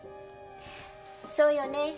そうよね。